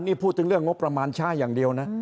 นี่พูดถึงเรื่องงบประมาณช้าอย่างเดียวนะ